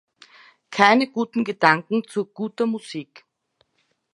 Keine guten Gedanken zu guter Musik.